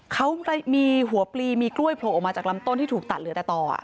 เขามีหัวปลีมีกล้วยโผล่ออกมาจากลำต้นที่ถูกตัดเหลือแต่ต่อ